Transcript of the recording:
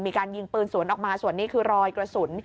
มีการยิงปืนสวนออกมาส่วนนี้คือรอยกระสุน